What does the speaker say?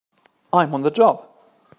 I'm on the job!